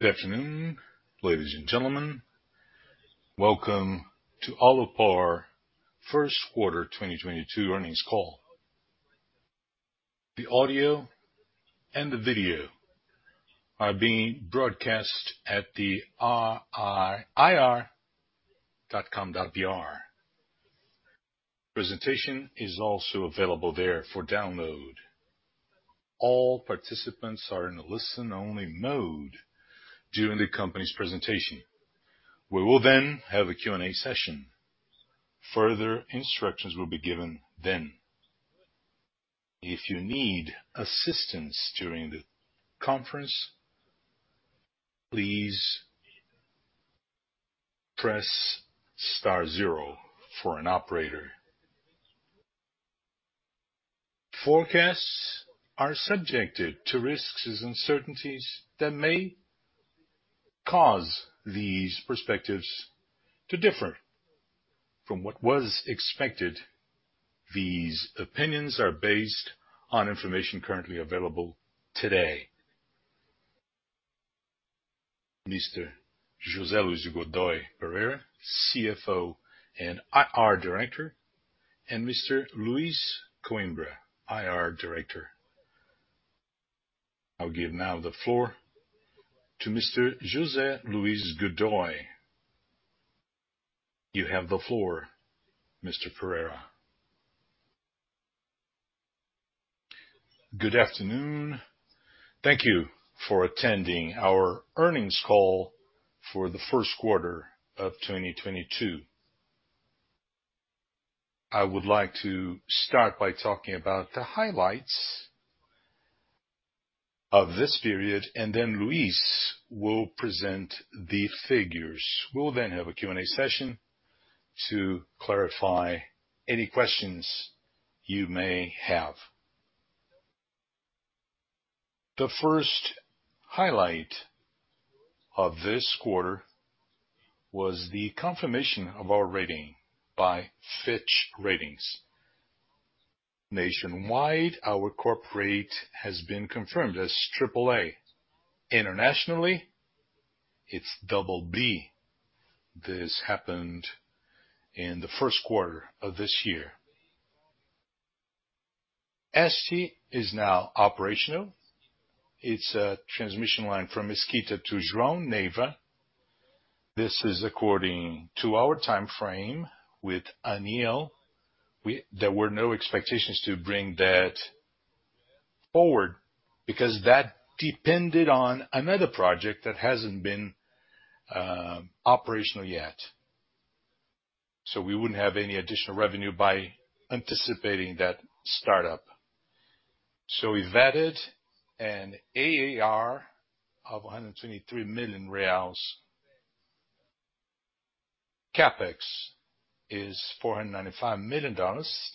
Good afternoon, ladies and gentlemen. Welcome to Alupar First Quarter 2022 Earnings Call. The audio and the video are being broadcast at the IR, ir.alupar.com.br. Presentation is also available there for download. All participants are in a listen-only mode during the company's presentation. We will then have a Q&A session. Further instructions will be given then. If you need assistance during the conference, please press star zero for an operator. Forecasts are subject to risks and uncertainties that may cause these perspectives to differ from what was expected. These opinions are based on information currently available today. Mr. José Luiz de Godoy Pereira, CFO and IR Director, and Mr. Luiz Coimbra, IR Director. I'll give now the floor to Mr. José Luiz de Godoy. You have the floor, Mr. Pereira. Good afternoon. Thank you for attending our earnings call for the first quarter of 2022. I would like to start by talking about the highlights of this period, and then Luiz will present the figures. We'll then have a Q&A session to clarify any questions you may have. The first highlight of this quarter was the confirmation of our rating by Fitch Ratings. Nationwide, our corporate has been confirmed as AAA. Internationally, it's BB. This happened in the first quarter of this year. ESTE is now operational. It's a transmission line from Mesquita to João Neiva. This is according to our timeframe with ANEEL. There were no expectations to bring that forward because that depended on another project that hasn't been operational yet. We wouldn't have any additional revenue by anticipating that startup. We've added a RAP of BRL 123 million. CapEx is $495 million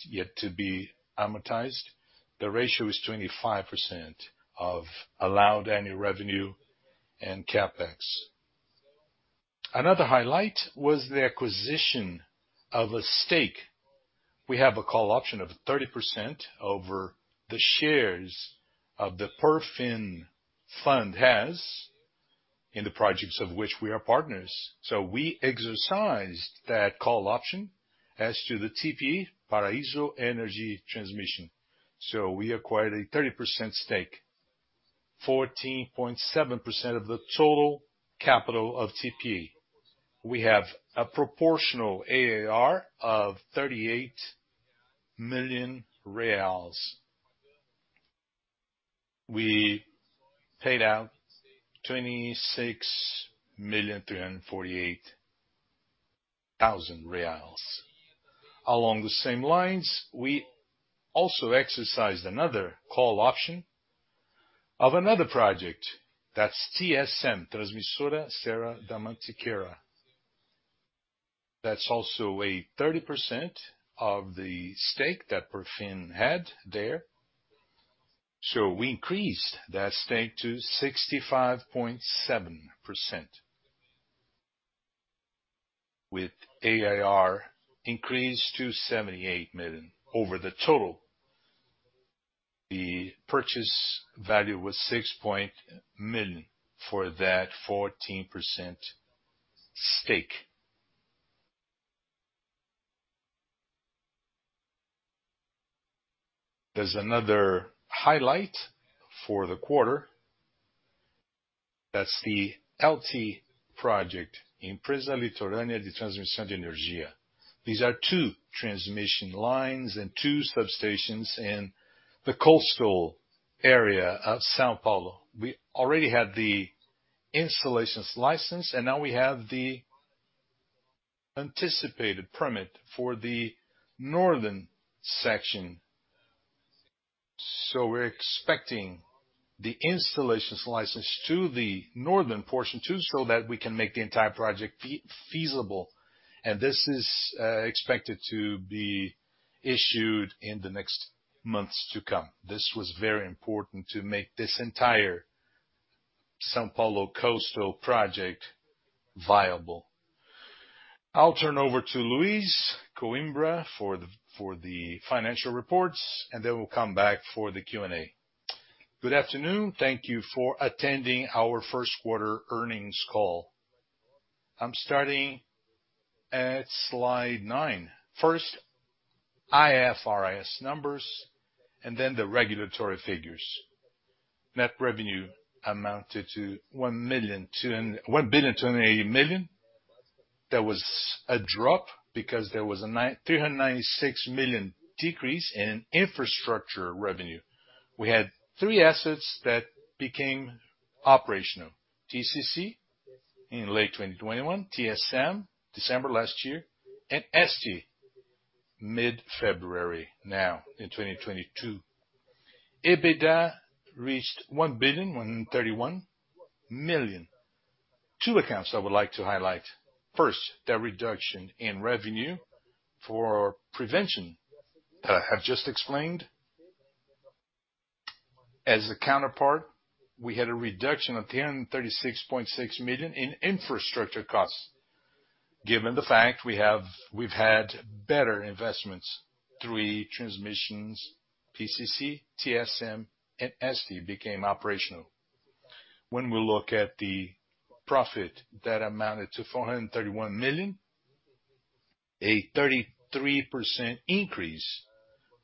yet to be amortized. The ratio is 25% of allowed annual revenue and CapEx. Another highlight was the acquisition of a stake. We have a call option of 30% over the shares of the Perfin Fund has in the projects of which we are partners. We exercised that call option as to the TPE, Transmissora Paraíso de Energia. We acquired a 30% stake, 14.7% of the total capital of TPE. We have a proportional AAR of BRL 38 million. We paid out 26.348 million. Along the same lines, we also exercised another call option of another project. That's TSM, Transmissora Serra da Mantiqueira. That's also a 30% of the stake that Perfin had there. We increased that stake to 65.7%. With AAR increased to 78 million over the total. The purchase value was 6 million for that 14% stake. There's another highlight for the quarter. That's the ELTE project, Empresa Litorânea de Transmissão de Energia. These are two transmission lines and two substations in the coastal area of São Paulo. We already had the installation license, and now we have the anticipated permit for the northern section. We're expecting the installation license for the northern portion too, so that we can make the entire project feasible. This is expected to be issued in the next months. This was very important to make this entire São Paulo coastal project viable. I'll turn over to Luiz Coimbra for the financial reports, and then we'll come back for the Q&A. Good afternoon. Thank you for attending our first quarter earnings call. I'm starting at slide nine. First, IFRS numbers and then the regulatory figures. Net revenue amounted to 1.28 billion. That was a drop because there was a 396 million decrease in infrastructure revenue. We had three assets that became operational. TCC in late 2021, TSM December last year, and ESTE mid-February now in 2022. EBITDA reached 1.131 billion. Two accounts I would like to highlight. First, the reduction in revenue for prevention that I have just explained. As a counterpart, we had a reduction of 1,036.6 million in infrastructure costs, given the fact we've had better investments, three transmissions, TCC, TSM, and ESTE became operational. When we look at the profit that amounted to 431 million, a 33% increase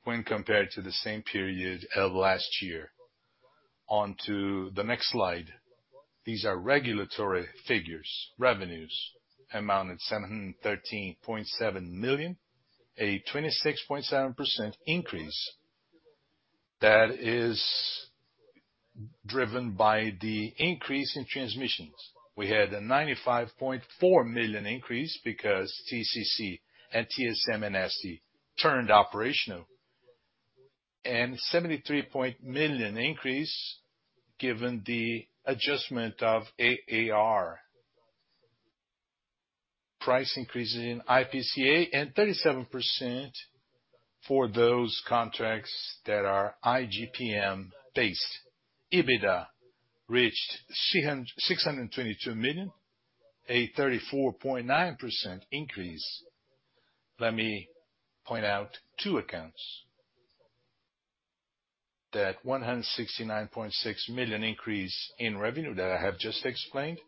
when compared to the same period of last year. On to the next slide. These are regulatory figures. Revenues amounted to 713.7 million BRL, a 26.7% increase that is driven by the increase in transmissions. We had a 95.4 million BRL increase because TCC and TSM, and ESTE turned operational, and 73 million BRL increase given the adjustment of RAP. Price increases in IPCA and 37% for those contracts that are IGP-M-based. EBITDA reached 622 million BRL, a 34.9% increase. Let me point out two accounts. That 169.6 million BRL increase in revenue that I have just explained,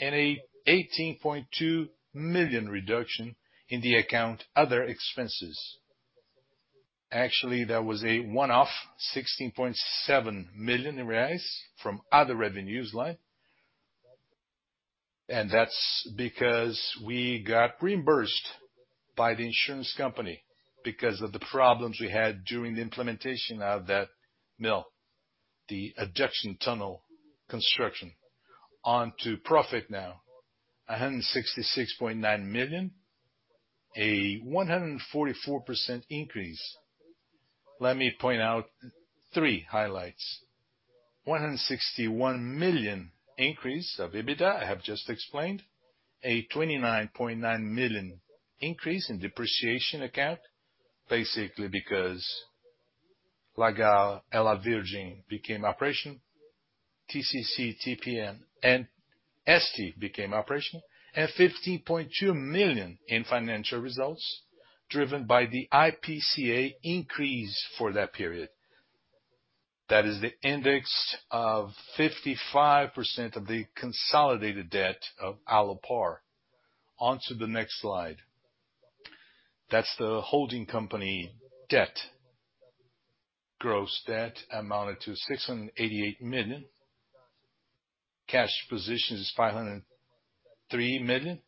and an 18.2 million BRL reduction in the account other expenses. Actually, there was a one-off 16.7 million reais in rise from other revenues line, and that's because we got reimbursed by the insurance company because of the problems we had during the implementation of that mill, the adduction tunnel construction. On to profit now. 166.9 million, a 144% increase. Let me point out three highlights. 161 million increase of EBITDA, I have just explained. A 29.9 million increase in depreciation account, basically because La Virgen became operational. TCC, TPE, and ESTE became operational. Fifteen point two million in financial results driven by the IPCA increase for that period. That is the index of 55% of the consolidated debt of Alupar. On to the next slide. That's the holding company debt. Gross debt amounted to 688 million. Cash position is 503 million.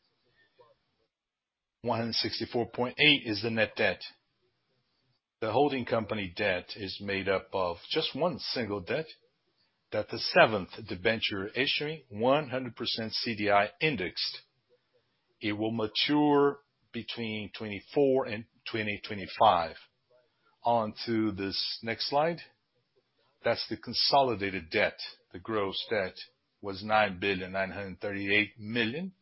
164.8 million is the net debt. The holding company debt is made up of just one single debt. That's the seventh debenture issuing 100% CDI indexed. It will mature between 2024 and 2025. On to this next slide. That's the consolidated debt. The gross debt was 9.938 billion.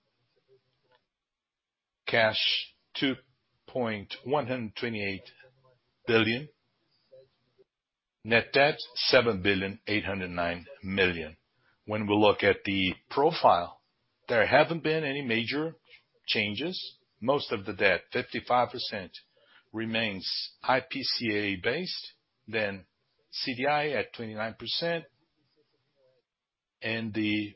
Cash, 2.128 billion. Net debt, 7.809 billion. When we look at the profile, there haven't been any major changes. Most of the debt, 55% remains IPCA-based, then CDI at 29%. The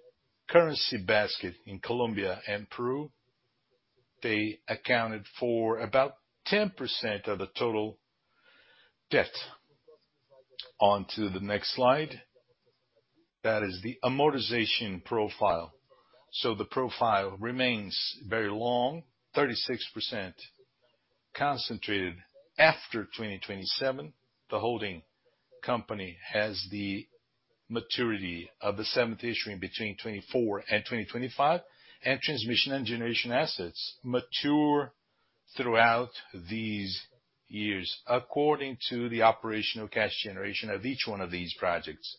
currency basket in Colombia and Peru, they accounted for about 10% of the total debt. On to the next slide. That is the amortization profile. The profile remains very long, 36% concentrated after 2027. The holding company has the maturity of the seventh issuing between 2024 and 2025. Transmission and generation assets mature throughout these years according to the operational cash generation of each one of these projects.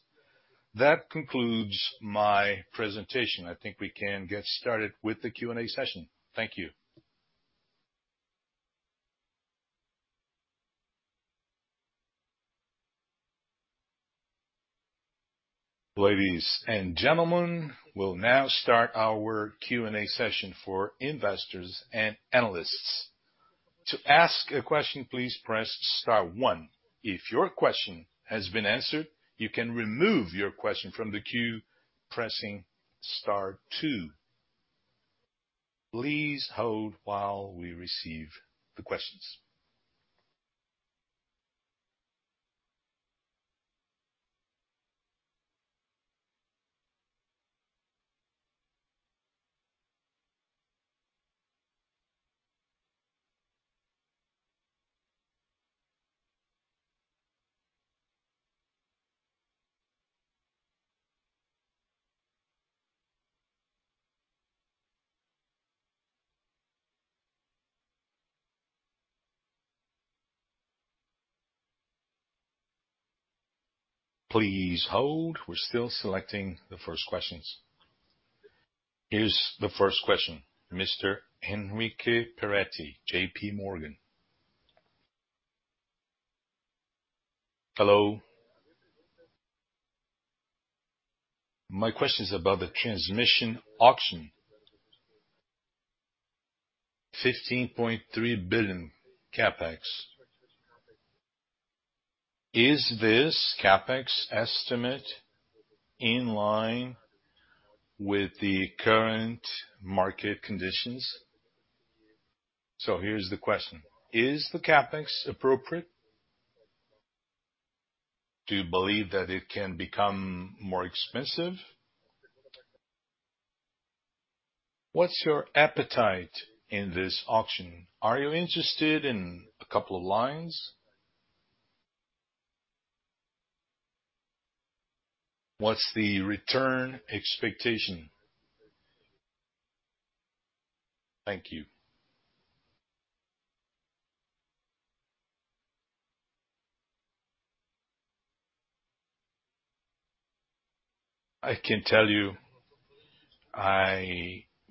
That concludes my presentation. I think we can get started with the Q&A session. Thank you. Ladies and gentlemen, we'll now start our Q&A session for investors and analysts. To ask a question, please press star one. If your question has been answered, you can remove your question from the queue pressing star two. Please hold while we receive the questions. Please hold. We're still selecting the first questions. Here's the first question. Mr. Henrique Peretti, JPMorgan. Hello. My question is about the transmission auction. BRL 15.3 billion CapEx. Is this CapEx estimate in line with the current market conditions? So here's the question: Is the CapEx appropriate? Do you believe that it can become more expensive? What's your appetite in this auction? Are you interested in a couple of lines? What's the return expectation? Thank you.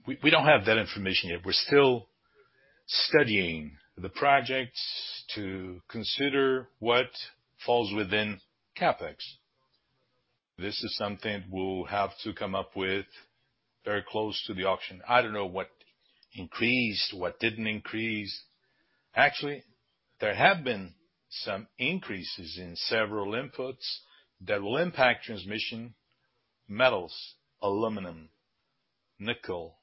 We don't have that information yet. We're still studying the projects to consider what falls within CapEx. This is something we'll have to come up with very close to the auction. I don't know what increased, what didn't increase. Actually, there have been some increases in several inputs that will impact transmission. Metals, aluminum, nickel,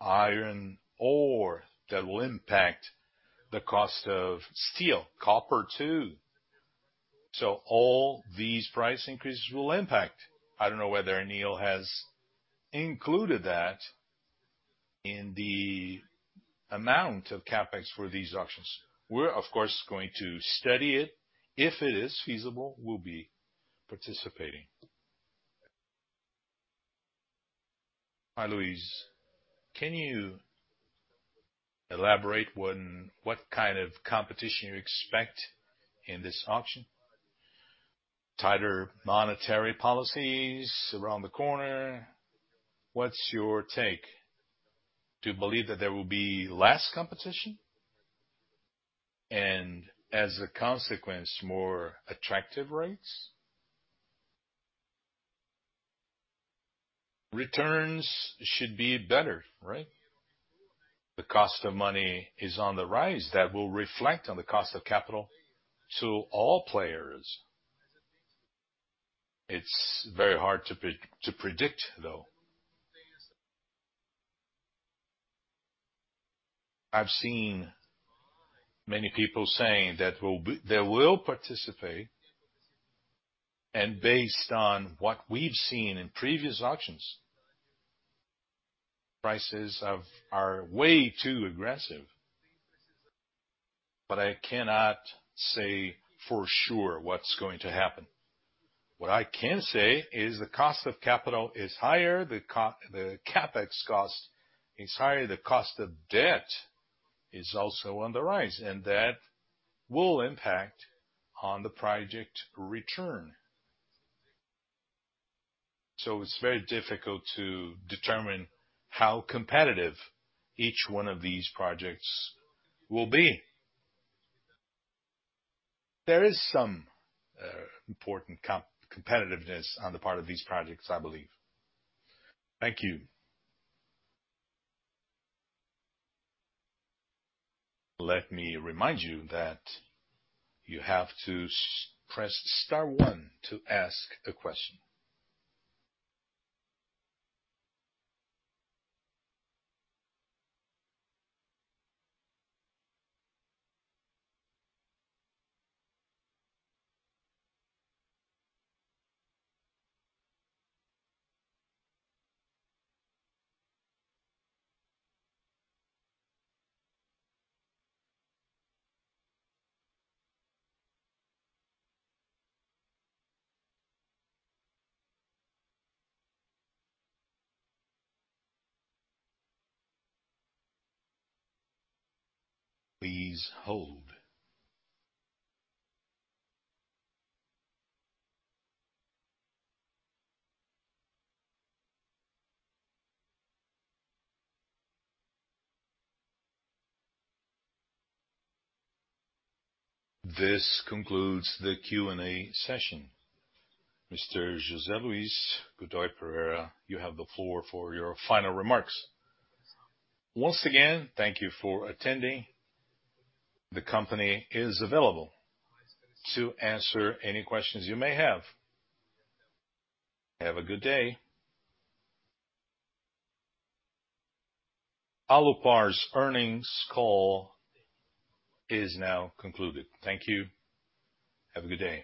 iron ore, that will impact the cost of steel, copper too. So all these price increases will impact. I don't know whether ANEEL has included that in the amount of CapEx for these auctions. We're of course going to study it. If it is feasible, we'll be participating. Hi, Luiz. Can you elaborate what kind of competition you expect in this auction? Tighter monetary policy's around the corner. What's your take? Do you believe that there will be less competition and, as a consequence, more attractive rates? Returns should be better, right? The cost of money is on the rise. That will reflect on the cost of capital to all players. It's very hard to predict, though. I've seen many people saying that they will participate, and based on what we've seen in previous auctions, prices are way too aggressive. I cannot say for sure what's going to happen. What I can say is the cost of capital is higher, the CapEx cost is higher, the cost of debt is also on the rise, and that will impact on the project return. It's very difficult to determine how competitive each one of these projects will be. There is some important competitiveness on the part of these projects, I believe. Thank you. Let me remind you that you have to press star one to ask a question. Please hold. This concludes the Q&A session. Mr. José Luiz de Godoy Pereira, you have the floor for your final remarks. Once again, thank you for attending. The company is available to answer any questions you may have. Have a good day. Alupar's earnings call is now concluded. Thank you. Have a good day.